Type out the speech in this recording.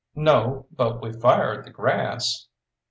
"No, but we fired the grass."